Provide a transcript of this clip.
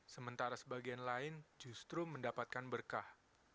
sementara sebagian lain justru mendapatkan berkah